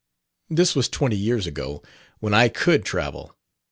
This was twenty years ago, when I could travel.